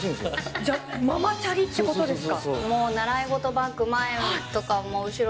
じゃあ、ママチャリってことですか。